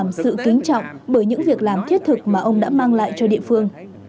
ông đã làm sự kính trọng bởi những việc làm thiết thực mà ông đã mang lại cho địa phương